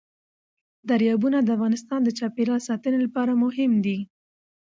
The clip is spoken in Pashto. دریابونه د افغانستان د چاپیریال ساتنې لپاره مهم دي.